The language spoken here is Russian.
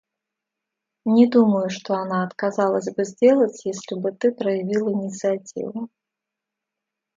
Не думаю, что она отказалась бы сделать, если бы ты проявил инициативу.